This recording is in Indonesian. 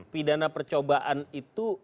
pidana percobaan itu